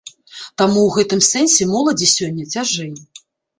Таму ў гэтым сэнсе моладзі сёння цяжэй.